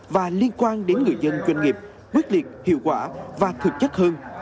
và liên quan đến người dân doanh nghiệp quyết liệt hiệu quả và thực chất hơn